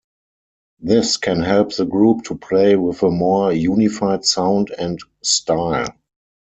This can help the group to play with a more unified sound and style.